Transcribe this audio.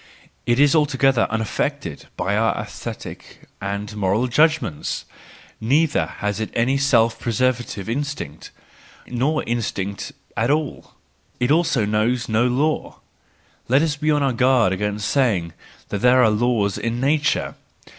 It is altogether unaffected by our aesthetic and moral judgments! Neither has it any self¬ preservative instinct, nor instinct at all; it also knows no law. Let us be on our guard against saying that there are laws in nature.